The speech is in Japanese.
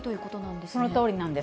そのとおりなんです。